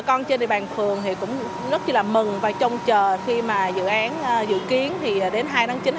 bà con trên địa bàn phường thì cũng rất là mừng và trông chờ khi mà dự án dự kiến thì đến hai tháng chín